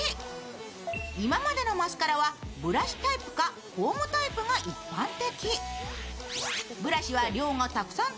今までのマスカラはブラシタイプかコームタイプが一般的。